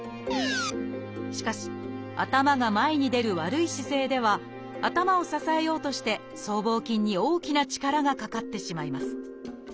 しかし頭が前に出る悪い姿勢では頭を支えようとして僧帽筋に大きな力がかかってしまいます。